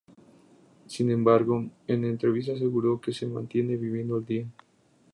Sin embargo en entrevista aseguró que se mantiene viviendo al día.